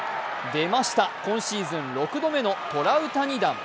出ました、今シーズン６度目のトラウタニ弾。